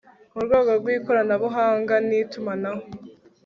mu rwego rw' ikoranabuhanga n' itumanaho